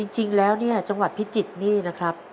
จริงแล้วเนี่ยจังหวัดพิจิตรนี่นะครับ